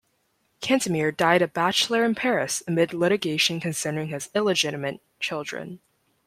Kantemir died a bachelor in Paris amid litigation concerning his illegitimate children.